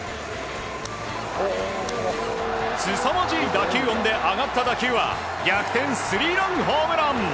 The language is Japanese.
すさまじい打球音で上がった打球は逆転スリーランホームラン！